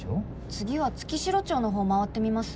次は月城町の方回ってみます？